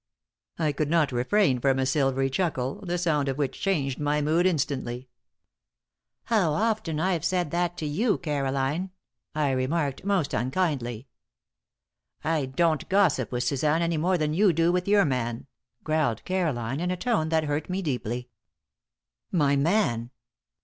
I could not refrain from a silvery chuckle, the sound of which changed my mood instantly. "How often I've said that to you, Caroline!" I remarked, most unkindly. "I don't gossip with Suzanne any more than you do with your man," growled Caroline, in a tone that hurt me deeply. My man!